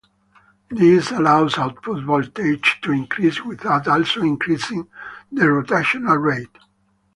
This allows output voltage to increase without also increasing the rotational rate.